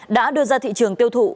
đã đưa ra thị trường tiêu thụ